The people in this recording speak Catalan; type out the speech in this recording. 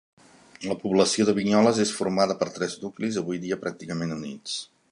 La població de Vinyoles és formada per tres nuclis, avui dia pràcticament units.